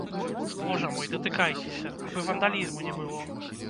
Божа мой, датыкайцеся, абы вандалізму не было.